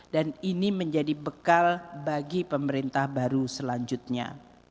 dan ini menjadi bekal bagi pemerintah baru selanjutnya